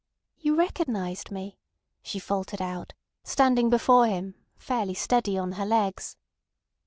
"You recognised me," she faltered out, standing before him, fairly steady on her legs.